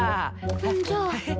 じゃあ。